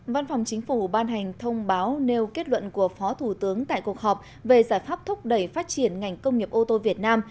văn phòng chính phủ ban hành thông báo nêu kết luận của phó thủ tướng tại cuộc họp về giải pháp thúc đẩy phát triển ngành công nghiệp ô tô việt nam